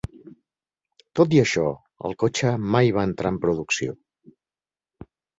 Tot i això, el cotxe mai va entrar en producció.